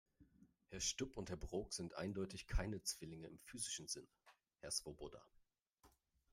Herr Stubb und Herr Brok sind eindeutig keine Zwillinge im physischen Sinne, Herr Swoboda.